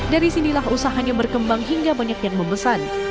dari sinilah usahanya berkembang hingga banyak yang memesan